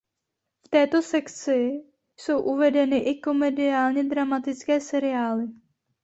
V této sekci jsou uvedeny i komediálně dramatické seriály.